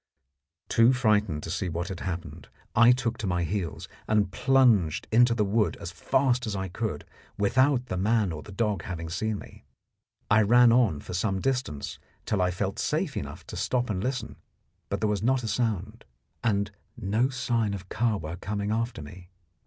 Too frightened to see what happened, I took to my heels, and plunged into the wood as fast as I could, without the man or the dog having seen me. I ran on for some distance till I felt safe enough to stop and listen, but there was not a sound, and no sign of Kahwa coming after me.